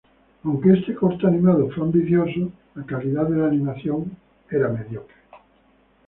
Aunque este corto animado fue ambicioso, la calidad de la animación fue mediocre.